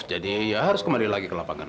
jadi ya harus kembali lagi ke lapangan